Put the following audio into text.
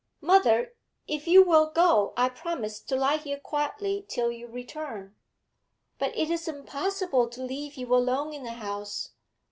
'Mother, if you will go, I promise to lie here quietly till you return.' 'But it is impossible to leave you alone in the house.